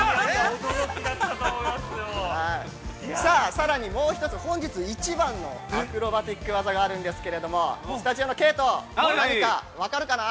さあ、さらに、もう一つ、本日一番のアクロバティック技があるんですけれども、スタジオの圭人、何か分かるかな。